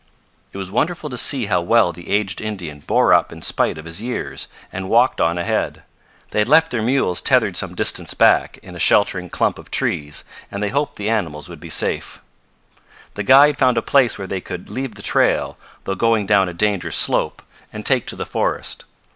It was wonderful to see how well the aged Indian bore up in spite of his years, and walked on ahead. They had left their mules tethered some distance back, in a sheltering clump of trees, and they hoped the animals would be safe. The guide found a place where they could leave the trail, though going down a dangerous slope, and take to the forest.